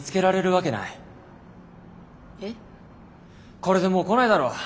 これでもう来ないだろ。